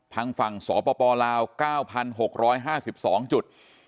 ทางฝั่งสปลาว๙๖๕๒จุด